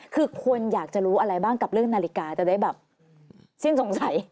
คือคนอยากจะรู้อะไรบ้างกับเรื่องนาฬิกาจะได้แบบสิ้นสงสัย